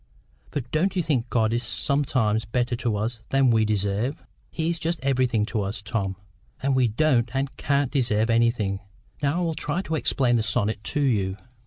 But don't you think God is sometimes better to us than we deserve?" "He is just everything to us, Tom; and we don't and can't deserve anything. Now I will try to explain the sonnet to you."